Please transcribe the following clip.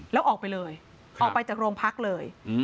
แล้วออกไปเลยออกไปจากโรงพักเลย